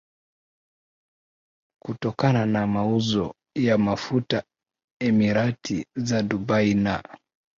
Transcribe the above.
kutokana na mauzo ya mafuta Emirati za Dubai na